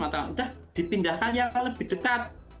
sudah dipindahkan yang lebih dekat